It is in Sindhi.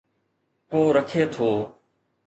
ڪو رکي ٿو